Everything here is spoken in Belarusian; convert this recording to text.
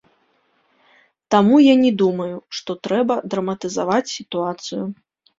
Таму я не думаю, што трэба драматызаваць сітуацыю.